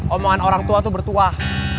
omongan orang tua itu bertuah